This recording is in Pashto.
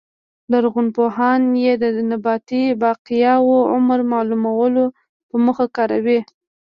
لرغونپوهان یې د نباتي بقایاوو عمر معلومولو په موخه کاروي